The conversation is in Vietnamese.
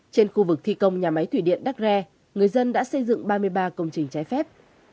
trên khu vực thi công nhà máy thủy điện đắc rè người dân đã xây dựng ba mươi ba công trình trái phép